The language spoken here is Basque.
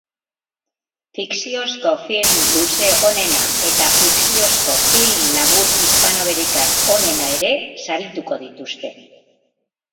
Fikziozko film luze onena eta fikziozko film labur hispanoamerikar onena ere sarituko dituzte.